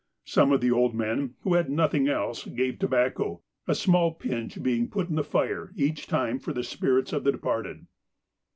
Some of the old men, who had nothing else, gave tobacco, a small pinch being put in the fire each time for the spirits of the departed.